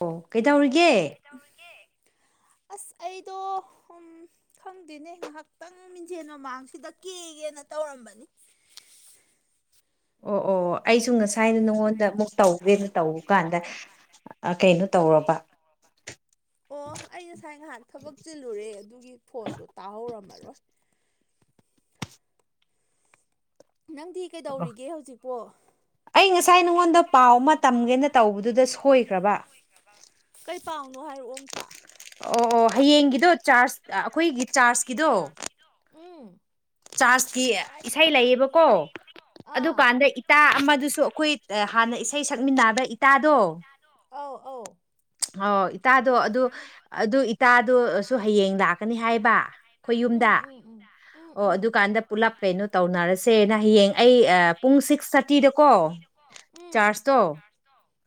ꯑꯣ ꯀꯩꯗꯧꯔꯤꯒꯦ ꯑꯁ ꯑꯩꯗꯣ ꯍꯝ ꯈꯪꯗꯦꯅꯦ ꯉꯥꯏꯍꯥꯛꯇꯪ ꯃꯤꯟꯖꯦꯟ ꯃꯃꯥꯡꯁꯤꯗ ꯀꯦꯒꯦꯅ ꯇꯧꯔꯝꯕꯅꯤ ꯑꯣ ꯑꯣ ꯑꯩꯁꯨ ꯉꯁꯥꯏꯅ ꯅꯉꯣꯟꯗ ꯑꯃꯨꯛ ꯇꯧꯒꯦꯅ ꯇꯧ ꯀꯥꯟꯗ ꯑ ꯀꯩꯅꯣ ꯇꯧꯔꯕ ꯑꯣ ꯑꯩ ꯉꯁꯥꯏ ꯉꯍꯥꯛ ꯊꯕꯛ ꯆꯤꯜꯂꯨꯔꯦ ꯑꯗꯨꯒꯤ ꯐꯣꯟꯗꯣ ꯇꯥꯍꯧꯔꯝꯃꯔꯣꯏ ꯅꯪꯗꯤ ꯀꯩꯗꯧꯔꯤꯒꯦ ꯍꯧꯖꯤꯛꯄꯣ ꯑꯩ ꯉꯁꯥꯏ ꯅꯉꯣꯟꯗ ꯄꯥꯎ ꯑꯃ ꯇꯝꯒꯦꯅ ꯇꯧꯕꯗꯨꯗ ꯁꯣꯏꯈ꯭ꯔꯕ ꯀꯩ ꯄꯥꯎꯅꯣ ꯍꯥꯏꯔꯛꯑꯣ ꯑꯝꯇ ꯑꯣ ꯑꯣ ꯍꯌꯦꯡꯒꯤꯗꯣ ꯆꯥꯔꯖ ꯑꯩꯈꯣꯏꯒꯤ ꯆꯥꯔꯖꯀꯤꯗꯣ ꯆꯥꯖꯀꯤ ꯏꯁꯩ ꯂꯩꯌꯦꯕꯀꯣ ꯑꯗꯨꯀꯥꯟꯗ ꯏꯇꯥ ꯑꯃꯗꯨꯁꯨ ꯑꯩꯈꯣꯏ ꯍꯥꯟꯅ ꯏꯁꯩ ꯁꯛꯃꯤꯟꯅꯕ ꯏꯇꯥꯗꯣ ꯑꯥꯎ ꯑꯥꯎ꯫ ꯑꯣ ꯏꯇꯥꯗꯣ ꯑꯗꯨ ꯑꯗꯨ ꯏ ꯏꯇꯥꯗꯨꯁꯨ ꯍꯌꯦꯡ ꯂꯥꯛꯀꯅꯤ ꯍꯥꯏꯌꯦꯕ ꯑꯩꯈꯣꯏ ꯌꯨꯝꯗ ꯑꯣ ꯑꯗꯨꯀꯥꯟꯗ ꯄꯨꯂꯞ ꯀꯩꯅꯣ ꯇꯧꯅꯔꯁꯦꯅ ꯍꯌꯦꯡ ꯑꯩ ꯑꯥ-ꯄꯨꯡ ꯁꯤꯛꯁ ꯊꯥꯔꯇꯤꯗꯀꯣ ꯆꯥꯔꯖꯇꯣ [unintelligible]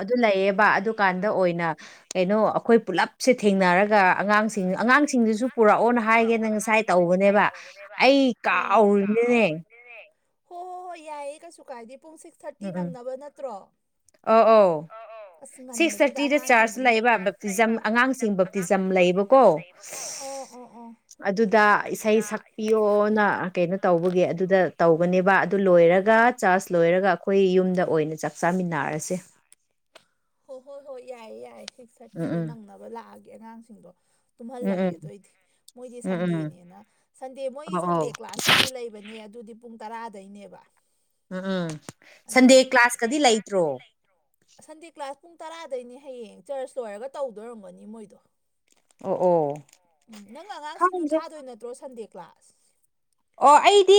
ꯑꯗꯨ ꯂꯩꯌꯦꯕ ꯑꯗꯨꯀꯥꯟꯗ ꯑꯣꯏꯅ ꯀꯩꯅꯣ ꯑꯩꯈꯣꯏ ꯄꯨꯂꯞ ꯁꯦ ꯊꯦꯡꯅꯔꯒ ꯑꯉꯥꯡꯁꯤꯡ ꯑꯉꯥꯡꯁꯤꯡꯗꯨꯁꯨ ꯄꯨꯔꯛꯑꯣꯅ ꯍꯥꯏꯒꯦꯅ ꯉꯁꯥꯏ ꯇꯧꯕꯅꯦꯕ ꯑꯩ ꯀꯥꯎꯔꯤꯅꯤꯅꯦ꯫ ꯍꯣꯏ ꯍꯣꯏ ꯍꯣꯏ ꯌꯥꯏꯌꯦ ꯀꯩꯁꯨ ꯀꯥꯏꯗꯦ ꯄꯨꯡ ꯁꯤꯛꯁ ꯊꯥꯔꯇꯤ ꯅꯪꯅꯕ ꯅꯠꯇ꯭ꯔꯣ ꯑꯥꯎ ꯑꯥꯎ ꯑꯁ ꯉꯟꯕꯁꯤꯗ ꯑꯉꯥꯡꯁꯤꯡꯗꯤ [unintelligible] ꯑꯉꯥꯡꯁꯤꯡꯕ ꯐꯤꯖꯝ ꯂꯩꯌꯦꯕꯀꯣ ꯑꯣ ꯑꯣ ꯑꯣ ꯑꯗꯨꯗ ꯏꯁꯩ ꯁꯛꯄꯤꯌꯣꯅ ꯀꯩꯅꯣ ꯇꯧꯕꯒꯤ ꯑꯗꯨꯗ ꯇꯧꯕꯅꯦꯕ ꯑꯗꯨ ꯂꯣꯏꯔꯒ ꯆꯥꯔꯖ ꯂꯣꯏꯔꯒ ꯑꯩꯈꯣꯏ ꯌꯨꯝꯗ ꯑꯣꯏꯅ ꯆꯥꯛ ꯆꯥꯃꯤꯟꯅꯔꯁꯦ꯫ ꯍꯣꯏ ꯍꯣꯏ ꯍꯣꯏ ꯌꯥꯏꯦ ꯌꯥꯏꯌꯦ ꯁꯤꯛꯁ ꯊꯥꯔꯇꯤꯗꯣ ꯅꯪꯅꯕ ꯂꯥꯛꯑꯒꯦ ꯑꯉꯥꯡꯁꯤꯡꯗꯣ ꯇꯨꯝꯍꯜꯂꯒꯦ ꯑꯗꯨꯑꯣꯏꯗꯤ ꯃꯣꯏꯗꯤ ꯁꯟꯗꯦꯅꯦꯅ ꯁꯟꯗꯦ ꯃꯣꯏ ꯁꯟꯗꯦ ꯀ꯭ꯂꯥꯁꯄꯨꯗꯤ ꯂꯩ ꯂꯩꯕꯅꯤ ꯑꯗꯨꯗꯤ ꯄꯨꯡ ꯇꯔꯥꯗꯩꯅꯦꯕ꯫ ꯎꯝ ꯎꯝ ꯁꯟꯗꯦ ꯀ꯭ꯂꯥꯁꯀꯗꯤ ꯂꯩꯇ꯭ꯔꯣ꯫ ꯁꯟꯗꯦ ꯀ꯭ꯂꯥꯁ ꯄꯨꯡ ꯇꯔꯥꯗꯩꯅꯦ ꯍꯌꯦꯡ ꯆ꯭ꯔꯁ ꯂꯣꯏꯔꯒ ꯇꯧꯗꯣꯏ ꯑꫭꯏꯔꯝꯒꯅꯤ ꯃꯣꯏꯗꯣ꯫ ꯑꯣ ꯑꯣ꯫ ꯎꯝ ꯅꯪ ꯑꯉꯥꯡꯁꯤꯡꯁꯨ ꯊꯥꯗꯣꯏ ꯅꯠꯇ꯭ꯔꯣ ꯁꯟꯗꯦ ꯀ꯭ꯂꯥꯁ꯫ ꯑꯣ ꯑꯩꯗꯤ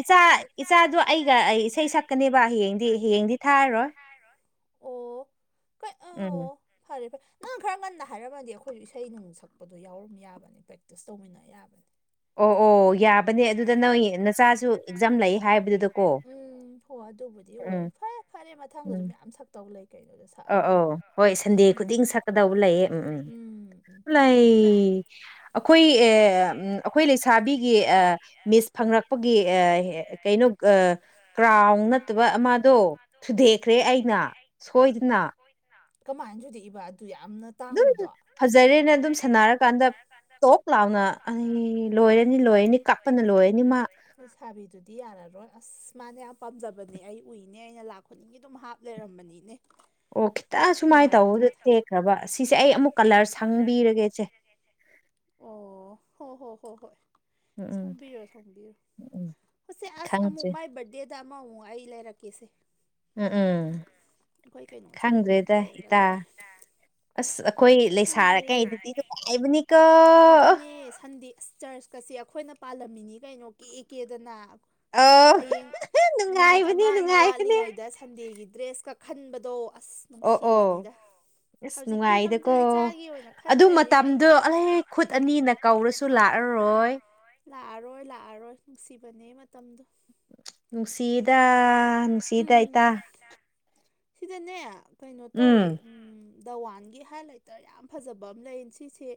ꯏꯆꯥ ꯏꯆꯥꯗꯣ ꯑꯩꯒ ꯑꯩ ꯏꯁꯩ ꯁꯛꯀꯅꯦꯕ ꯍꯌꯦꯡꯗꯤ ꯍꯌꯦꯡꯗꯤ ꯊꯥꯔꯔꯣꯏ꯫ ꯑꯣ ꯀꯩ ꯑꯥ ꯎꯝ꯫ ꯐ꯭ꯔꯦ ꯐ꯭ꯔꯦ ꯅꯪ ꯈꯔ ꯉꯟꯅ ꯍꯥꯏꯔꯝꯃꯗꯤ ꯑꯩꯈꯣꯏꯁꯨ ꯏꯁꯩ ꯅꯨꯡ ꯁꯛꯄꯗꯣ ꯌꯥꯎꯔꯝ ꯌꯥꯕꯅꯤ ꯄ꯭ꯔꯦꯛꯇꯤꯁ ꯇꯧꯃꯤꯟꯅ ꯌꯥꯕꯅꯤ ꯑꯣ ꯑꯣ ꯌꯥꯕꯅꯦ ꯑꯗꯨꯗ ꯅꯣꯏ ꯅꯆꯥꯁꯨ ꯑꯦꯛꯖꯥꯝ ꯂꯩ ꯍꯥꯏꯕꯗꯨꯗ ꯀꯣ ꯍꯣ ꯑꯗꯨꯕꯨꯗꯤ ꯑꯣꯏꯔꯦ ꯐꯔꯦ ꯐꯔꯦ ꯃꯊꯪꯗꯁꯨ ꯃꯌꯥꯝ ꯁꯛꯇꯧ ꯂꯩ ꯀꯩꯅꯣꯗꯁꯨ ꯑꫭ ꯑꫭ ꯍꯣꯏ ꯁꯟꯗꯦ ꯈꯨꯗꯤꯡ ꯁꯛꯀꯗꯧꯕ ꯂꯩꯌꯦ ꯎꯝ ꯎꯝ ꯂꯩ [unintelligible] ꯑꯩꯈꯣꯏ ꯑꯦ ꯑꯩꯈꯣꯏ ꯂꯩꯁꯥꯕꯤꯒꯤ ꯑꯥ ꯃꯤꯁ ꯐꯪꯂꯛꯄꯒꯤ ꯑꯦ ꯀꯩꯅꯣ ꯀ꯭ꯔꯥꯎꯟ ꯅꯠꯇꯕ ꯑꯃꯗꯣ ꯊꯨꯗꯦꯛꯈ꯭ꯔꯦ ꯑꯩꯅ ꯁꯣꯏꯗꯅ ꯀꯃꯥꯏꯅ ꯊꯨꯗꯦꯛꯏꯕ ꯏꯕ ꯑꯗꯨ ꯌꯥꯝꯅ ꯇꯥꯡꯕꯗꯣ ꯐꯖꯔꯦꯅꯦ ꯑꯗꯨꯝ ꯁꯥꯟꯅꯔꯀꯥꯟꯗ ꯄꯥꯛ ꯂꯥꯎꯅ ꯑꯩ ꯂꯣꯏꯔꯅꯤ ꯂꯣꯏꯔꯅꯤ ꯀꯥꯞꯄꯅ ꯂꯣꯏꯔꯅꯤ ꯃꯥ ꯂꯩ ꯁꯥꯥꯕꯤꯗꯨꯗꯤ ꯌꯥꯔꯔꯣꯏ ꯑꯁ ꯃꯥꯅꯦ ꯌꯥꯝ ꯄꯥꯝꯖꯕꯅꯦ ꯑꯩ ꯎꯏꯅꯦ ꯑꯩꯅ ꯂꯥꯛ ꯈꯨꯗꯤꯒꯤ ꯑꯗꯨꯝ ꯍꯥꯞ ꯂꯩꯔꯝꯕꯅꯤꯅꯦ ꯑꯣ ꯈꯤꯇꯪ ꯁꯨꯃꯥꯏꯅ ꯇꯧꯕꯗꯣ ꯇꯦꯛꯈ꯭ꯔꯕ ꯁꯤꯁꯦ ꯑꯩ ꯑꯃꯨꯛ ꯀꯂꯔ ꯁꯪꯕꯤꯔꯒꯦ ꯁꯦ ꯑꯣ ꯍꯣꯏ ꯍꯣꯏ ꯍꯣꯏ ꯍꯣꯏ ꯁꯪꯕꯤꯔꯣ ꯁꯣꯡꯕꯤꯔꯣ ꯍꫭꯏꯁꯦ ꯑꯁ ꯑꯃꯨꯛ ꯃꯥꯏ ꯕꯥꯔꯗꯦꯗ ꯑꯃꯃꯨꯛ ꯑꯩ ꯂꯩꯔꯛꯀꯦꯁꯦ ꯎꯝ ꯎꯝ ꯈꯪꯗ꯭ꯔꯦꯗ ꯏꯇꯥ ꯑꯁ ꯑꯩꯈꯣꯏ ꯂꯩꯁꯥꯔꯀꯦꯗꯥꯏꯗꯤ ꯅꯨꯡꯉꯥꯏꯕꯅꯤꯀꫭ ꯑꯁ ꯆꯔꯆꯀꯁꯦ ꯑꯩꯈꯣꯏꯅ ꯄꯥꯜꯂꯝꯃꯤꯅꯤ ꯀꯩꯅꯣ ꯀꯦ ꯀꯦꯗꯅ ꯍꯌꯦꯡ ꯅꯨꯃꯤꯠ ꯑꯃ ꯑꯅꯤ ꯋꯥꯠꯂꯤꯉꯩꯗ ꯁꯟꯗꯦꯒꯤ ꯗ꯭ꯔꯦꯁ ꯀꯛ [unintelligible] ꯈꯟꯕꯗꯣ ꯑꯁ ꯅꯨꯡꯁꯤꯕꯅꯤꯗ ꯍꯧꯖꯤꯛ ꯍꯧꯖꯤꯛꯇꯤ ꯉꯝꯗꯔꯦ ꯆꯥꯒꯦ ꯑꯣꯏꯅ ꯈꯟ ꯂꯩꯌꯦ ꯑꯩ ꯑꯗꯨꯒꯤ ꯃꯇꯝꯗꫭ ꯈꯨꯠ ꯑꯅꯤꯅ ꯀꯧꯔꯁꯨ ꯂꯥꯛꯑꯔꯣꯏ ꯂꯥꯛꯑꯔꯣꯏ ꯂꯥꯛꯑꯔꯣꯏ ꯅꯨꯡꯁꯤꯕꯅꯦ ꯃꯇꯝꯗꯣ ꯅꯨꯡꯁꯤꯗ ꯅꯨꯡꯁꯤꯗ ꯏꯇꯥ ꯁꯤꯗꯅꯦ ꯀꯩꯅꯣ ꯇꯧꯋꯦ ꯎꯝ ꯗꯋꯥꯟꯒꯤ ꯍꯥꯏꯂꯥꯏꯇꯔ ꯌꯥꯝ ꯐꯖꯕ ꯑꯃ ꯂꯩ ꯁꯤꯁꯦ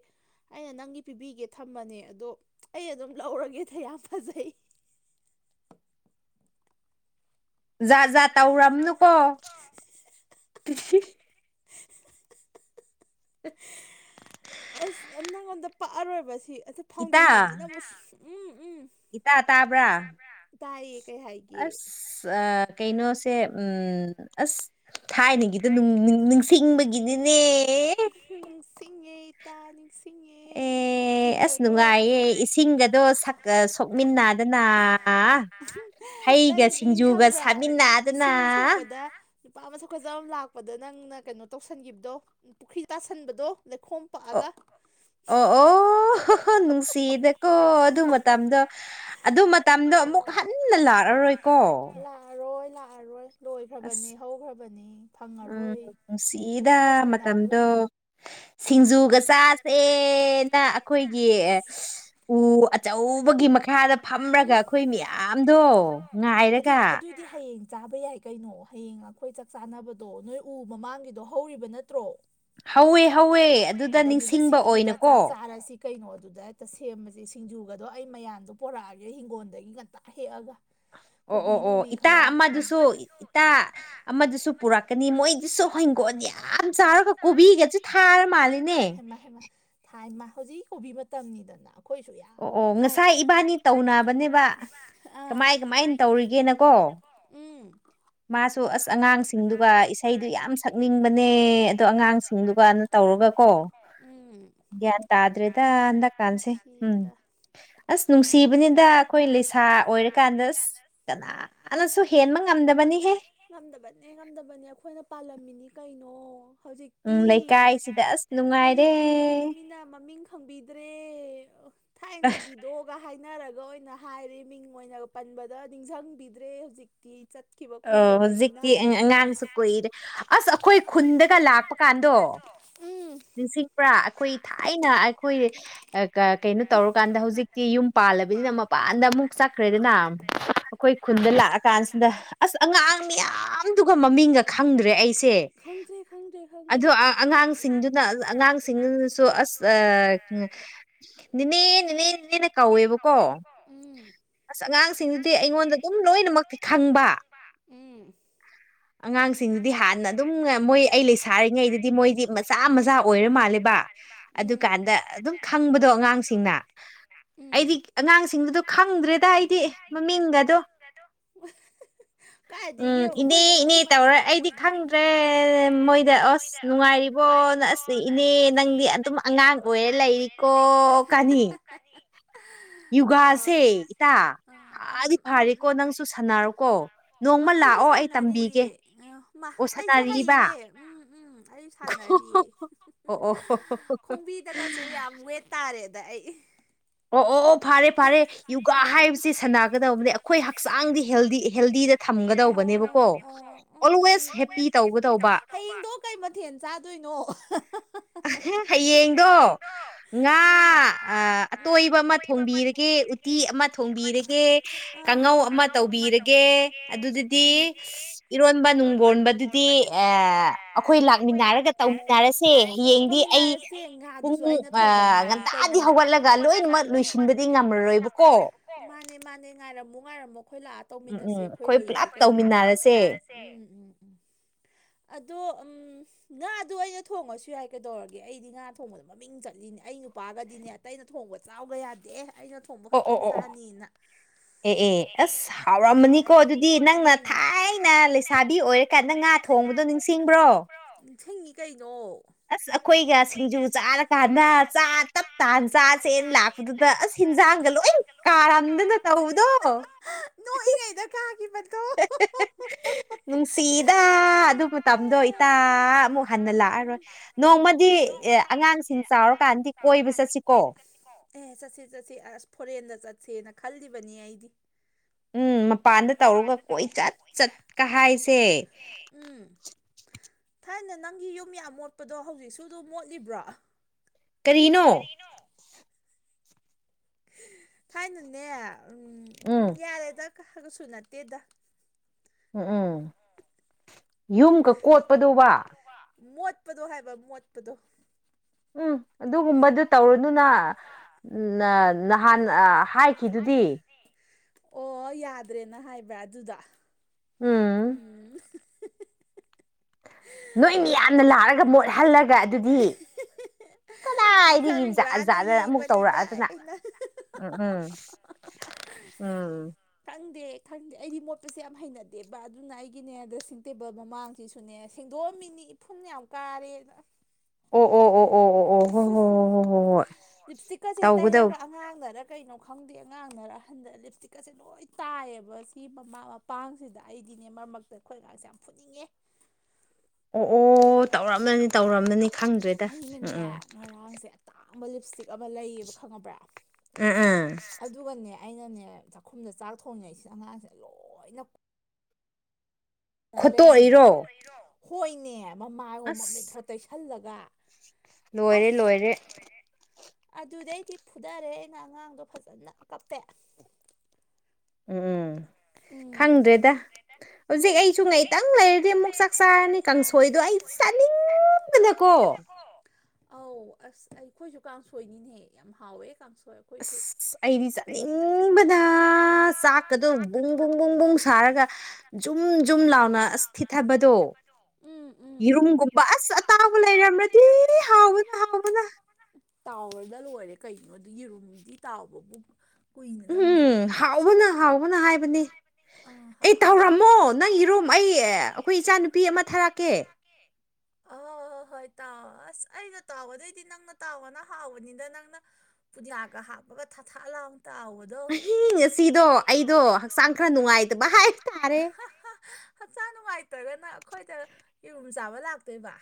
ꯑꯩꯅ ꯅꯪꯒꯤ ꯄꯤꯕꯤꯒꯦ ꯊꯝꯕꯅꯦ ꯑꯗꯣ ꯑꯩ ꯑꯗꯨꯝ ꯂꯧꯔꯒꯦꯁ ꯌꯥꯝ ꯐꯖꯩ ꯖꯥꯠ ꯖꯥꯠ ꯇꯧꯔꯝꯅꯨꯀꯣ ꯑꯁ ꯅꯪꯉꯣꯟꯗ ꯄꯥꯛꯑꯔꯣꯏꯕꯁꯤ ꯐꯥꯎꯟꯗꯦꯁꯟꯁꯤꯅ ꯑꯃꯨꯛ ꯎꯝ ꯎꯝ ꯇꯥꯕ꯭ꯔꯥ ꯇꯥꯏꯌꯦ ꯀꯩ ꯍꯥꯏꯒꯦ ꯑ ꯀꯩꯅꯣꯁꯦ ꯎꯝ ꯑꯁ ꯊꯥꯏꯅꯒꯤꯗ ꯅꯤꯡꯁꯤꯡꯕꯒꯤꯅꯤꯅꯦ ꯅꯤꯡꯁꯤꯡꯉꯩꯇꯥꯥ ꯅꯤꯡꯁꯤꯡ ꯑꯦ ꯃꯆꯨ ꯑꯗꯣ ꯑꯗꯨꯥꯏꯌꯦ ꯏꯁꯤꯡꯗꯅ ꯁꯀ ꯁꯣꯛꯃꯤꯟꯅꯗꯅ ꯅꯪ ꯅꯤꯡꯊꯝꯕ꯭ꯔꯥ ꯏꯁꯤꯡ ꯁꯣꯛꯄꯗ ꯅꯨꯄꯥ ꯑꯃ ꯊꯣꯛ ꯈꯖ ꯑꯃ ꯑꯃ ꯂꯥꯛꯄꯗ ꯅꯪꯅ ꯀꯩꯅꯣ ꯇꯧꯁꯟꯈꯤꯕꯗꯣ ꯄꯨꯈ꯭ꯔꯤ ꯇꯥꯁꯟꯕꯗꯣ ꯂꯩꯈꯣꯝ ꯑꯒꯥ ꯑꯣ ꯅꯨꯡꯁꯤꯌꯦꯗꯀꯣ ꯑꯗꯨ ꯃꯇꯝꯗꯣ ꯑꯗꯨ ꯃꯇꯝꯗꯣ ꯑꯃꯨꯛ ꯍꯟꯅ ꯂꯥꯛꯑꯔꯣꯏꯀꯣ ꯂꯥꯛꯑꯔꯣꯏ ꯂꯥꯛꯑꯔꯣꯏ ꯂꯣꯏꯈ꯭ꯔꯕꯅꯤ ꯎꯝ ꯅꯨꯡꯁꯤꯗ ꯃꯇꯝꯗꯣ ꯁꯤꯡꯖꯨꯒ ꯆꯥꯁꯦꯅ ꯑꯩꯈꯣꯏꯒꯤ ꯎ ꯑꯆꯧꯕꯒꯤ ꯃꯈꯥꯗ ꯐꯝꯔꯒ ꯑꯩꯈꯣꯏ ꯃꯌꯥꯝꯗꯣ ꯉꯥꯏꯔꯒ ꯍꯌꯦꯡ ꯆꯥꯕ ꯌꯥꯏ ꯀꯩꯅꯣ ꯍꯌꯦꯡ ꯑꯩꯈꯣꯏ ꯆꯥꯛ ꯆꯥꯅꯕꯗꯣ ꯅꯣꯏ ꯎ ꯃꯃꯥꯡꯒꯤꯗꯣ ꯍꯧꯔꯤꯕ ꯅꯠꯇ꯭ꯔꯣ ꯍꯧꯋꯦ ꯍꯧꯋꯦ ꯑꯗꯨ ꯑꯗꯨ ꯑꯗꯨꯗ ꯆꯥꯛ ꯆꯥ ꯑꯥꯔꯁꯤ ꯀꯩꯅꯣ ꯑꯗꯨꯗ ꯍꯦꯛꯇ ꯁꯦꯝꯕꯁꯦ ꯁꯤꯡꯖꯨꯒꯗꯣ ꯑꯩ ꯃꯌꯥꯝꯗꯣ ꯄꯣꯔꯛꯑꯒꯦ ꯍꯤꯡꯒꯣꯜꯗꯒꯤ ꯉꯇ ꯍꯦꯛꯑꯒ ꯑꯣ ꯑꯣ ꯑꯣ ꯏꯇꯥ ꯑꯃꯗꯨꯁꯨ ꯏꯇꯥ ꯑꯃꯗꯁꯨ ꯄꯨꯔꯛꯀꯅꯤ ꯃꯣꯏꯗꯨꯁꯨ ꯍꯤꯡꯒꯣꯜ ꯌꯥꯝ ꯆꯥꯎꯔꯒ ꯀꯣꯕꯤꯒꯁꯨ ꯊꯥꯔ ꯃꯥꯜꯂꯤꯅꯦ ꯍꯦꯃ ꯍꯦꯃ ꯊꯥꯏꯃ ꯍꯧꯖꯤꯛ ꯀꯣꯕꯤ ꯃꯇꯝꯅꯤꯗꯅ ꯑꯩꯈꯣꯏꯁꯨ ꯌꯥꯝ ꯊꯥꯏ ꯉꯆꯥꯥꯏ ꯏꯕꯥꯅꯤ ꯇꯧꯅꯕꯅꯦꯕ ꯑꯥ ꯀꯥꯏ ꯀꯃꯥꯏꯅ ꯇꯧꯔꯤꯒꯦꯅ ꯑꯦ ꯃꯥꯁꯨ ꯑꯁ ꯑꯉꯥꯡꯁꯤꯡꯗꯨꯒ ꯏꯁꯩꯗꯨ ꯌꯥꯝ ꯁꯛꯅꯤꯡꯕꯅꯦ ꯑꯗꯣ ꯑꯉꯥꯡꯁꯤꯡꯗꯨꯒꯅ ꯇꯧꯔꯒ ꯀꯣ ꯟ ꯇꯥꯗ꯭ꯔꯦꯗ ꯑꯗ ꯀꯥꯟꯁꯤꯦ ꯎꯝ ꯑꯁ ꯅꯨꯡꯁꯤꯕꯅꯤꯗ ꯑꯩꯈꯣꯏ ꯂꯩꯁꯥ ꯑꯣꯏꯔꯀꯥꯟꯗ ꯑꯁ ꯀꯅꯥꯅꯁꯨ ꯍꯦꯟꯕ ꯉꯝꯗꯕꯅꯤꯍꯦ ꯉꯝꯗꯕꯅꯦ ꯉꯝꯗꯕꯅꯦ ꯑꯩꯈꯣꯏꯅ ꯄꯥꯜꯂꯝꯃꯤꯅꯤ ꯀꯩꯅꯣ ꯍꯧꯖꯤꯛꯇꯤ ꯍꯧꯖꯤꯛꯇꯤ ꯃꯤꯅ ꯃꯃꯤꯡ ꯈꯪꯕꯤꯗ꯭ꯔꯦ ꯊꯥꯏꯅꯒꯤꯗꯣ ꯒ ꯍꯥꯏꯅꯔꯒ ꯑꯣꯏꯅ ꯍꯥꯏꯔꯦ ꯃꯤꯡ ꯑꯣꯏꯅ ꯄꯟꯕꯗ ꯅꯤꯡꯁꯤꯡꯕꯤꯗ꯭ꯔꯦ ꯍꯧꯖꯤꯛ ꯑ ꯍꯧꯖꯤꯛꯇꯤ ꯑꯉꯥꯡꯁꯨ ꯀꯨꯏꯔꯦ ꯑꯁ ꯑꯩꯈꯣꯏ ꯈꯨꯟꯗꯒ ꯂꯥꯛꯄ ꯀꯥꯟꯗꯣ ꯅꯤꯡꯁꯤꯡꯕ꯭ꯔꯥ ꯑꯩꯈꯣꯏ ꯊꯥꯏꯅ ꯑꯩꯈꯣꯏ ꯀꯩꯅꯣ ꯇꯧꯔꯀꯥꯟꯗ ꯍꯧꯖꯤꯛꯇꯤ ꯌꯨꯝ ꯄꯥꯜꯂꯕꯅꯤꯅ ꯃꯄꯥꯟꯗ ꯑꯃꯨꯛ ꯆꯠꯈ꯭ꯔꯦꯗꯅ ꯑꯩꯈꯣꯏ ꯈꯨꯟꯗ ꯂꯥꯛꯑ ꯀꯥꯟꯁꯤꯗ ꯑꯁ ꯑꯉꯥꯡ ꯃꯌꯥꯝꯗꯨꯒ ꯃꯃꯤꯡꯒ ꯈꯪꯗ꯭ꯔꯦ ꯑꯩꯁꯦ ꯑ ꯑꯉꯥꯡ ꯁꯤꯡꯗꯨꯅ ꯑ ꯑꯉꯥꯡꯁꯤꯡꯅꯁꯨ ꯑꯁꯅꯦꯅꯦꯅꯦ ꯅ ꯀꯋꯦꯕ ꯀꯣ ꯎ ꯑꯁ ꯑꯉꯥꯡꯁꯤꯡꯗꯨꯗꯤ ꯑꯩꯉꯣꯟꯗ ꯑꯗꯨꯝ ꯂꯣꯏꯅꯃꯛꯇꯤ ꯈꯪꯕ ꯎꯝ ꯑꯉꯥꯡꯁꯤꯡꯗꯨꯗꯤ ꯍꯥꯟꯅ ꯑꯗꯨꯝ ꯃꯣꯏ ꯑꯩ ꯂꯩꯁꯥꯔꯤꯉꯩꯗꯗꯤ ꯃꯣꯏꯗꯤ ꯃꯆꯥ ꯃꯆꯥ ꯑꯣꯏꯔ ꯃꯥꯜꯂꯦꯕ ꯑꯗꯨꯀꯥꯟꯗ ꯑꯗꯨꯝ ꯈꯪꯕꯗꯣ ꯑꯉꯥꯡꯁꯤꯡꯅ ꯑꯩꯗꯤ ꯑꯉꯥꯡꯁꯤꯡꯗꯨꯗꯣ ꯈꯪꯗ꯭ꯔꯦꯗ ꯑꯩꯗꯤ ꯃꯃꯤꯡꯒꯗꯣ ꯑ ꯎꯝ ꯏꯅꯦ ꯏꯅꯦ ꯇ ꯑꯩꯗꯤ ꯈꯪꯗ꯭ꯔꯦ ꯃꯣꯏꯗ ꯑꯁ ꯅꯨꯡꯉꯥꯏꯔꯤꯕꯣ ꯅ ꯑꯁ ꯏꯅꯦ ꯅꯪꯗꯤ ꯑꯗꯨꯝ ꯑꯉꯥꯡ ꯑꯣꯏꯔꯦ ꯂꯩꯔꯤꯀꯣ ꯀꯅꯤ ꯀꯖꯤ ꯌꯣꯒꯥꯁꯦ ꯏꯇꯥ ꯉꯗꯤ ꯐꯔꯦꯀꯣ ꯅꯪꯁꯨ ꯁꯥꯟꯅꯔꯣꯀꯣ ꯅꯣꯡꯃ ꯂꯥꯛꯑꯣ ꯑꯩ ꯇꯝꯕꯤꯒꯦ ꯎ ꯃꯥ ꯑꯩꯁꯨ ꯍꯩꯌꯦ ꯎꯝ ꯎꯝ ꯑꯩ ꯁꯥꯟꯅꯔꯤꯑ ꯈꯣꯡꯕꯤꯗꯒꯁꯨ ꯌꯥꯝ ꯋꯦꯠ ꯇꯥꯔꯦꯗ ꯑꯩ ꯑꯣ ꯑꯣ ꯑꯣ ꯐꯥꯔꯦ ꯐꯥꯔꯦ ꯌꯣꯒꯥ ꯍꯥꯏꯕꯁꯤꯦ ꯁꯥꯟꯅꯒꯗꯕꯅꯦ ꯑꯩꯈꯣꯏ ꯍꯛꯆꯥꯡꯗꯤ ꯍꯦꯜꯗꯤ ꯍꯦꯜꯗꯤꯗ ꯊꯝꯒꯗꯧꯕꯅꯦꯕꯀꯣ ꯑꯣꯜꯋꯦꯁ ꯍꯦꯄꯤ ꯇꯧꯒꯗꯧꯕ ꯍꯌꯡꯗꯣ ꯀꯩ ꯃꯊꯦꯜ ꯆꯥꯗꯣꯏꯅꯣ ꯍꯌꯦꯡꯗꯣ ꯉꯥ ꯑꯇꯣꯏꯕ ꯑꯃ ꯊꯣꯡꯕꯤꯔꯒꯦ ꯎꯇꯤ ꯑꯃ ꯊꯣꯡꯕꯤꯔꯒꯦ ꯀꯥꯡꯉꯧ ꯑꯃ ꯇꯧꯕꯤꯔꯒꯦ ꯑꯗꯨꯗꯗꯤ ꯏꯔꯣꯟꯕ ꯅꯨꯡꯕꯣꯟꯕꯗꯨꯗꯤ ꯑꯩꯈꯣꯏ ꯂꯥꯛꯃꯤꯟꯅꯔꯒ ꯇꯧꯃꯤꯟꯅꯔꯁꯦ ꯈꯃꯤꯂꯑꯁꯦꯡ ꯉꯥꯗꯨꯁꯨ ꯑꯩꯅ ꯊꯣꯡꯕ ꯉꯥꯗꯤ ꯀꯂꯣꯏ ꯃꯥꯅꯦ ꯃꯥꯅꯦ ꯉꯥꯏꯔꯝꯃꯨ ꯉꯥꯏꯔꯝꯃꯨ ꯑꯩꯈꯣꯏ ꯂꯑ ꯇꯧꯃꯤꯟꯅꯁꯤ ꯑꯩꯈꯣꯏ ꯂꯩꯔꯤꯁꯤ ꯎꯝ ꯎꯝ ꯎꯝ ꯑꯗꯣ ꯉꯥꯗꯨꯣ ꯑꯩꯅ ꯊꯣꯡꯉꯁꯨ ꯌꯥꯏ ꯀꯩꯗꯧꯔꯒꯦ ꯑꯩꯗꯤ ꯉꯥ ꯊꯣꯡꯕꯗ ꯃꯃꯤꯡ ꯆꯠꯂꯤꯅꯦ ꯑꯩ ꯅꯨꯄꯥꯒꯗꯤꯅꯦ ꯑ ꯑꯩꯅ ꯊꯣꯡꯕ ꯆꯥꯎꯕ ꯌꯥꯗꯦ ꯑꯩꯅ ꯊꯣꯡꯕ ꯈꯛꯇꯪ ꯆꯥꯅꯤꯅ ꯑꯦ ꯑꯦ ꯑꯁ ꯍꯥꯎꯔꯃꯅꯤꯀꯣ ꯑꯗꯨꯗꯤ ꯅꯪꯅ ꯊꯥꯏꯅ ꯑꯣꯏꯔ ꯊꯣꯡꯕꯗꯕꯣ ꯅꯤꯡꯁꯤꯡꯉ ꯀꯩꯅꯣ ꯑꯁ ꯑꯩꯈꯣꯏꯒ ꯁꯤꯡꯖꯨ ꯆꯥꯔꯀꯥꯟꯗ ꯆꯥ ꯇꯞ ꯇꯅ ꯆꯥ ꯆꯦꯟ ꯂꯥꯛꯄꯗꯨꯗ ꯑꯁ ꯍꯤꯟꯖꯥꯡꯒ ꯂꯣꯏ ꯀꯥꯔꯝꯗꯅ ꯇꯧꯕꯗꯣ ꯅꯣꯛꯏꯉꯩꯗ ꯀꯥꯒꯤ ꯕꯗꯣ ꯅꯨꯡꯁꯤꯗ ꯑꯗꯨ ꯃꯇꯝꯗꯣ ꯏꯇꯥ ꯑꯃꯨꯛ ꯍꯟꯅ ꯂꯥꯛꯑꯔꯣꯏ ꯅꯣꯡꯃꯗꯤ ꯑꯦ ꯑꯉꯥꯡꯁꯤꯡ ꯆꯥꯎꯔꯀꯥꯟꯗꯤ ꯀꯣꯏꯕ ꯆꯠꯁꯤꯀꯣ ꯑꯦꯍ ꯆꯠꯁꯤ ꯆꯠꯁꯤ ꯑꯁ ꯐꯣꯔꯦꯟꯗ ꯆꯠꯁꯦꯅ ꯈꯜꯂꯤꯕꯅꯤ ꯑꯩꯗꯤ ꯎꯝ ꯃꯄꯥꯟꯗ ꯇꯧꯔꯒ ꯀꯣꯏꯆꯠ ꯆꯠꯀ ꯍꯥꯏꯁꯦ ꯎꯝ ꯊꯥꯏꯅ ꯅꯪꯒꯤ ꯌꯨꯝ ꯃꯣꯠꯄꯗꯣ ꯍꯧꯖꯤꯛꯁꯨ ꯑꯗꯨꯝ ꯃꯣꯠꯂꯤꯕ꯭ꯔꯣ ꯀꯔꯤꯅꯣ ꯊꯥꯏꯅꯅꯦ ꯎꯝ ꯌꯥꯔꯦꯗ ꯀꯁꯨ ꯅꯠꯇꯦꯗ ꯎꯝ ꯎꯝ ꯌꯨꯝꯒ ꯀꯣꯠꯄꯗꯨꯕ ꯃꯣꯠ ꯃꯣꯠꯄꯗꯣ ꯍꯥꯏꯕ ꯃꯣꯠꯄꯗꯣ ꯎꯝ ꯑꯗꯨꯒꯨꯝꯕꯗꯨ ꯇꯧꯔꯨꯅꯨꯅ ꯎ ꯅꯍꯥꯟ ꯍꯥꯏꯈꯤꯕꯗꯤ ꯑꯣ ꯌꯥꯗ꯭ꯔꯦꯅ ꯍꯥꯏꯕ ꯑꯗꯨꯗ ꯎꯝ ꯅꯣꯏ ꯃꯌꯥꯝꯅ ꯂꯥꯛꯑꯒ ꯃꯣꯠꯍꯜꯂꯒ ꯑꯗꯨꯗꯤ ꯀꯗꯥꯏꯗꯒꯤ ꯆꯥꯛ ꯖꯥꯠꯔ ꯑꯃꯨꯛ ꯇꯧꯔꯛꯑꯗꯅ ꯎ ꯎꯝ ꯎꯝ ꯈꯪꯗꯦ ꯈꯪꯗꯦ ꯑꯩꯗꯤ ꯃꯣꯠꯄꯁꯦ ꯌꯥꯝ ꯍꯩꯅꯗꯦꯕ ꯑꯗꯨꯅ ꯑꯩꯒꯤꯅꯦ ꯗ꯭ꯔꯦꯁꯤꯡ ꯇꯦꯕꯜ ꯃꯃꯥꯡꯁꯤꯁꯨ ꯗꯨꯅꯦ ꯁꯦꯡꯗꯣꯛꯑꯝꯃꯤꯅꯤ ꯏꯐꯨꯟ ꯌꯥꯝ ꯀꯥꯔꯦꯅ ꯂꯤꯞ ꯏꯁꯇꯤꯛꯀꯁꯦ ꯇꯩꯔꯒ ꯑꯉꯥꯡꯗꯧꯅ ꯀꯩꯅꯣ ꯈꯪꯗꯦ ꯑꯉꯥꯡꯅꯔ ꯑ ꯍꯟꯗ ꯂꯤꯞꯁꯇꯤꯛꯀꯁꯦ ꯂꯣꯏ ꯇꯥꯏꯌꯦꯕ ꯁꯤ ꯃꯃꯥ ꯃꯄꯥ ꯄꯥꯡꯁꯤꯗ ꯑꯩꯗꯤꯅꯦ ꯃꯔꯛ ꯃꯔꯛꯇ ꯑꯩꯈꯣꯏ ꯑꯒꯥꯡꯁꯦ ꯌꯥꯝ ꯐꯨꯅꯤꯡꯉꯦ ꯑꯣ ꯑꯣ ꯇꯧꯔꯝꯅꯅꯤ ꯇꯧꯔꯝꯅꯅꯤ ꯈꯪꯗ꯭ꯔꯦ ꯑꯩꯅꯅꯦ ꯉꯔꯥꯡꯁꯦ ꯇꯥꯡꯕ ꯂꯤꯞ ꯏꯁꯇꯤꯛ ꯑꯃ ꯂꯩꯌꯦꯕ ꯈꯪꯉꯕ꯭ꯔꯥ ꯑꯗꯨꯒꯅꯦ ꯑꯩꯅꯅꯦ ꯆꯥꯛꯈꯨꯝꯗ ꯆꯥꯛ ꯊꯣꯡꯉꯉꯩꯁꯤ ꯑꯉꯥꯡꯁꯦ ꯂꯣꯏꯅ ꯑꯗꯨ ꯂꯩꯔꯝꯃꯤꯕ ꯍꯣꯏꯅꯦ ꯃꯃꯥꯏꯑꯣ ꯃꯃꯤꯠꯑꯣ ꯇꯩꯁꯜꯂꯒ ꯑꯁ ꯂꯣꯏꯔꯦ ꯂꯣꯏꯔꯦ ꯑꯗꯨꯗꯩꯗꯤ ꯐꯨꯗꯔꯦ ꯑꯩꯅ ꯑꯉꯥꯡꯗꯣ ꯐꯖꯅ ꯀꯞꯄꯦ ꯎꯝ ꯎꯝ ꯎꯝ ꯈꯪꯗꯦꯗ ꯍꯧꯖꯤꯛ ꯑꯩꯁꯨ ꯉꯥꯏꯇꯪ ꯂꯩꯔꯗꯤ ꯑꯃꯨꯛ ꯆꯥꯛ ꯆꯥꯔꯅꯤ ꯀꯥꯡꯁꯣꯏꯗꯣ ꯑꯩ ꯆꯥꯅꯤꯡꯕꯅꯀꯣ [inaudible] ꯑꯧ ꯑꯁ ꯑꯩꯈꯣꯏꯁꯨ ꯀꯥꯡꯁꯣꯏꯅꯤꯅꯦꯍꯦ ꯌꯥꯝ ꯍꯥꯎꯋꯦ ꯀꯥꯡꯁꯣꯏ ꯑꯩꯈꯣꯏꯁꯨ ꯑꯩꯗꯤ ꯆꯠꯅꯤꯡꯕꯗ ꯆꯥꯛ ꯀꯧꯗꯧ ꯕꯨꯡ ꯨꯕꯨꯡꯕꯨꯡ ꯁꯥꯔꯒ ꯖꯨꯝ ꯖꯨꯝ ꯂꯥꯎꯅ ꯑꯁ ꯊꯤꯊꯕꯗꯣ ꯌꯦꯔꯨꯝꯒꯨꯝꯕ ꯑꯁ ꯑꯇꯥꯎꯕ ꯂꯩꯔꯝꯃꯔꯗꯤ ꯑꯁꯤ ꯍꯥꯎꯕꯅ ꯍꯥꯎꯕꯅ ꯇꯥꯎꯔꯗ ꯂꯣꯏꯔꯦ ꯀꯩꯒꯤꯅꯣꯗ ꯌꯦꯔꯨꯝꯗꯤ ꯇꯥꯎꯕꯕꯨ ꯎꯝ ꯍꯥꯎꯕꯅ ꯍꯥꯎꯕꯅ ꯍꯥꯏꯕꯅꯤ ꯑꯩ ꯇꯧꯔꯝꯃꯣ ꯅꯪ ꯏꯔꯣꯝ ꯑꯩ ꯑꯩꯈꯣꯏ ꯏꯆꯥꯅꯨꯄꯤ ꯑꯃ ꯊꯥꯔꯛꯀꯦ ꯑ ꯍ ꯍꯣꯏ ꯇꯥꯎ ꯑꯁ ꯑꯩꯅ ꯇꯥꯎꯕꯗꯣꯏꯗꯤ ꯅꯪꯅ ꯇꯥꯎꯕꯅ ꯍꯥꯎꯕꯅꯤꯗ ꯅꯪꯅ ꯄꯨꯟꯗꯤꯌꯥꯒ ꯍꯥꯞꯄꯒ ꯊꯥ ꯊꯥ ꯂꯥꯎꯅ ꯇꯥꯎꯑꯣ ꯑꯗꯣ ꯏ ꯉꯁꯤꯗꯣ ꯑꯩꯗꯣ ꯍꯛꯆꯥꯡ ꯈꯔ ꯅꯨꯡꯉꯥꯏꯇꯕ ꯍꯥꯏꯕꯇꯥꯥꯔꯦ ꯍꯛꯆꯥꯡ ꯅꯨꯡꯉꯥꯏꯇ꯭ꯔꯒꯅ ꯑꯩꯈꯣꯏꯗ ꯌꯦꯔꯨꯝ ꯆꯥꯕ ꯂꯥꯛꯇꯣꯏꯕ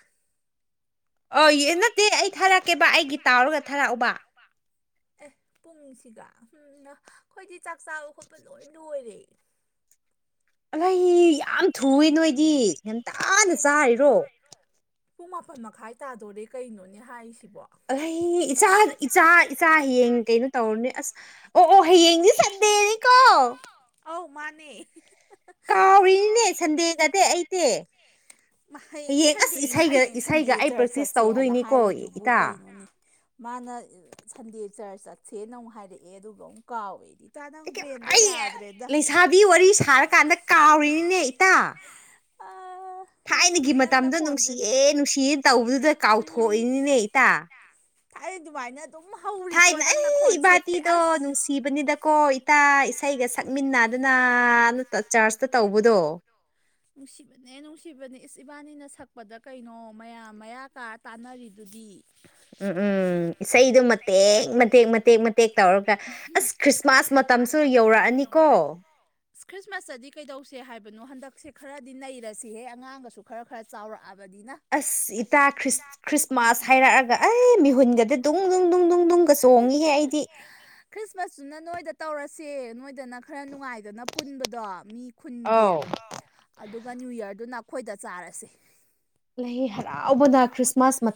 ꯑ ꯌꯦ ꯅꯠꯇꯦ ꯑꯩ ꯊꯥꯔꯛꯀꯦꯕ ꯑꯩꯒꯤ ꯇꯥꯎꯔꯒ ꯊꯥꯔꯛꯎꯕ ꯑꯦ ꯄꯨꯡꯁꯤꯒ ꯎꯝ ꯅ ꯑꯩꯈꯣꯏꯗꯤ ꯆꯥꯛ ꯆꯥꯕ ꯈꯣꯠꯄ ꯂꯣꯏ ꯂꯣꯏꯔꯦ ꯑꯂꯩ ꯌꯥꯝ ꯊꯨꯏꯌꯦ ꯅꯣꯏꯗꯤ ꯉꯟꯇꯥꯅ ꯆꯥꯔꯤꯔꯣ ꯄꯨꯡ ꯃꯥꯄꯟ ꯃꯈꯥꯏ ꯇꯥꯗꯣꯔꯦ ꯀꯩꯅꯣꯅꯦ ꯍꯥꯏꯔꯤꯁꯤꯕꯣ ꯑꯩ ꯏꯆꯥ ꯏꯆꯥ ꯏꯆꯥ ꯍꯌꯦꯡ ꯀꯩꯅꯣ ꯇꯧꯔꯅꯦ ꯑꯁ ꯑꯣ ꯑꯣ ꯍ ꯌꯦꯡꯗꯤ ꯁꯟꯗꯦꯅꯤꯀꯣ ꯑꯧ ꯃꯥꯅꯦ ꯀꯥꯎꯔꯤꯅꯤꯅꯦ ꯁꯟꯗꯦꯒꯗꯤ ꯑꯩꯗꯤ ꯍꯌꯦꯡꯅꯤ ꯁꯟꯗꯦꯅꯤ ꯍꯌꯦꯡ ꯁꯟꯗꯦ ꯆꯔꯆ ꯆꯠꯁꯦ ꯍꯥꯏꯅ ꯍꯥꯏꯔꯤꯗꯨꯕꯨ ꯀꯩꯅꯣꯅꯤ ꯃꯥꯅ ꯁꯟꯗꯦ ꯆꯔꯆ ꯆꯠꯁꯦꯅ ꯑꯃꯨꯛ ꯍꯥꯏꯔꯛꯑꯦ ꯑꯗꯨꯒ ꯑꯃꯨꯛ ꯀꯥꯎꯋꯦꯗꯤ ꯑꯩ ꯂꯩꯁꯥꯕꯤ ꯋꯥꯔꯤ ꯁꯥꯔꯀꯥꯟꯗ ꯀꯥꯎꯔꯤꯅꯤꯅꯦ ꯏꯇꯥ ꯑꯥ ꯅꯨꯡꯁꯤ ꯅꯪ ꯅꯀꯣꯟꯁꯦ ꯑꯗꯨꯃꯥꯏꯅ ꯑꯗꯨ ꯍꯧ ꯊꯥꯏꯅ ꯑꯩ ꯏꯕꯥꯇꯤꯗꯣ ꯅꯨꯡꯁꯤꯕꯅꯤꯗꯀꯣ ꯇ ꯏꯁꯩꯒ ꯁꯛꯃꯤꯟꯅꯗꯅ ꯆꯔꯆꯇ ꯇꯧꯕꯗꯣ ꯅꯨꯡꯁꯤꯕꯅꯦ ꯅꯨꯡꯁꯤꯕꯅꯦ ꯏꯁ ꯏꯕꯥꯅꯤꯅ ꯁꯛꯄꯗ ꯀꯩꯅꯣ ꯃꯌꯥꯝ ꯃꯌꯥꯀꯥ ꯇꯥꯟꯅꯔꯤꯗꯨꯗꯤ ꯎꯝ ꯎꯝ ꯏꯁꯩꯗꯨ ꯃꯇꯦꯛ ꯃꯇꯦꯛ ꯃꯇꯦꯛ ꯃꯇꯦꯛ ꯇꯧꯔꯒ ꯑꯁ ꯈ꯭ꯔꯤꯁꯃꯥꯁ ꯃꯇꯝꯁꯨ ꯌꯧꯔꯛꯑꯅꯤꯀꯣ ꯈ꯭ꯔꯤꯁꯃꯁ ꯑꯁꯤꯙꯛ ꯀꯩꯗꯧꯁꯦ ꯍꯥꯏꯕꯅꯣ ꯍꯟꯗꯛꯁꯦ ꯈꯔꯗꯤ ꯅꯩꯔꯁꯤꯍꯦ ꯑꯉꯥꯡꯒꯁꯨ ꯈꯔ ꯈꯔ ꯆꯥꯎꯔꯛꯑꯕꯅꯤꯅ ꯑꯁ ꯏꯇꯥꯔꯤ ꯈ꯭ꯔꯤꯁꯃꯥꯁ ꯍꯥꯏꯔꯛꯑꯒ ꯑꯩ ꯃꯤꯍꯨꯟꯒꯁꯦ ꯗꯨꯡ ꯗꯨꯡ ꯗꯨꯡ ꯆꯣꯡꯉꯤꯍꯦ ꯑꯩꯗꯤ ꯈ꯭ꯔꯤꯁꯃꯥꯁꯇꯨꯅ ꯅꯣꯏꯗ ꯇꯧꯔꯁꯦ ꯅꯣꯏꯗꯅ ꯈꯔ ꯅꯨꯡꯉꯥꯏꯗꯅ ꯄꯨꯟꯕꯗꯣ ꯃꯤ ꯈꯨꯟꯒꯤ ꯑꯗꯨꯒ ꯅ꯭ꯌꯨ ꯌꯔꯗꯨꯅ ꯑꯩꯈꯣꯏꯗ ꯆꯥꯔꯁꯦ ꯂꯩ ꯍꯔꯥꯎꯕꯗ ꯈ꯭ꯔꯤꯁꯃꯥꯁ ꯃꯇꯝ